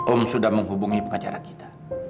om sudah menghubungi pengacara kita